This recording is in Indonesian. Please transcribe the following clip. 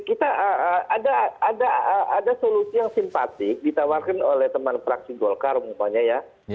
kita ada solusi yang simpatik ditawarkan oleh teman fraksi golkar mumpanya ya